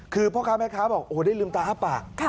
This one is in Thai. คือพ่อค้าแม่ค้าบอกโอ้โหได้ลืมตาอ้าปาก